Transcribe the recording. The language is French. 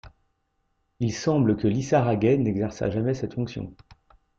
Il semble que Lissaragay n'exerça jamais cette fonction.